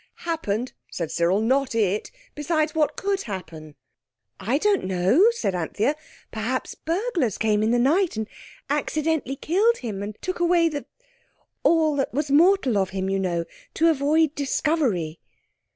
"Happened?" said Cyril, "not it! Besides, what could happen?" "I don't know," said Anthea. "Perhaps burglars came in the night, and accidentally killed him, and took away the—all that was mortal of him, you know—to avoid discovery."